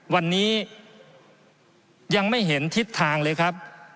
วันนี้ยังไม่เห็นทิศทางเลยครับ